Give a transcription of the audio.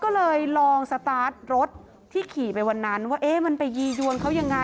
ก็เลยลองสตาร์ทรถที่ขี่ไปวันนั้นว่าเอ๊ะมันไปยียวนเขายังไง